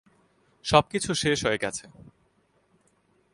সবকিছু শেষ হয়ে গেছে।